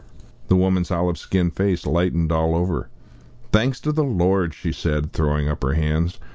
The woman's olive skinned face lightened all over. "Thanks to the Lord!" she said, throwing up her hands.